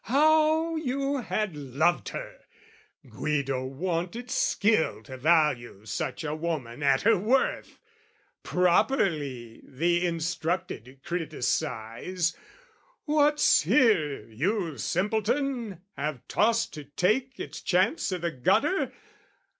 How you had loved her! Guido wanted skill To value such a woman at her worth! Properly the instructed criticise "What's here, you simpleton have tossed to take "Its chance i' the gutter?